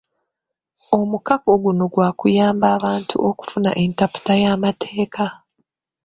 Omukago guno gwakuyamba abantu okufuna entaputa y'amateeka